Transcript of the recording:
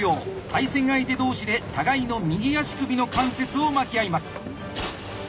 対戦相手同士で互いの右足首の関節を巻き合います。